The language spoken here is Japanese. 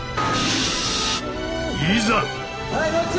いざ！